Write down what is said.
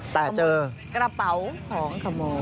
แต่เจอกระเป๋าของขโม